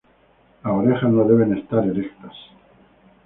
Las orejas no deben estar erectas.